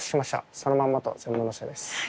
そのまんまとぜんぶのせです。